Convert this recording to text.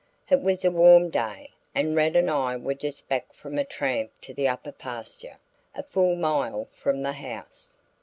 It was a warm day, and Rad and I were just back from a tramp to the upper pasture a full mile from the house.